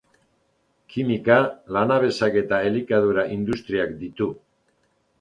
Kimika, lanabesak eta elikadura-industriak ditu.